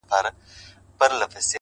قدم کرار اخله زړه هم لکه ښيښه ماتېږي!!